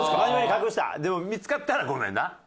でも見つかったらごめんな。